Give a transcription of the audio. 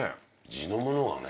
地のものはね。